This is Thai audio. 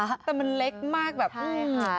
แต่มันเล็กมากแบบอืมใช่ค่ะ